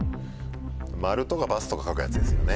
「○」とか「×」とか書くやつですよね。